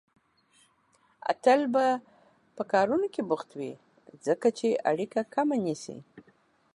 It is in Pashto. اتل به په کارونو کې بوخت وي، ځکه چې اړيکه کمه نيسي